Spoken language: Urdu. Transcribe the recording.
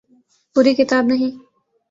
پوری کتاب نہیں۔